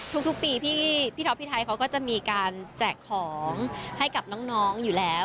ทุกปีพี่ท็อปพี่ไทยเขาก็จะมีการแจกของให้กับน้องอยู่แล้ว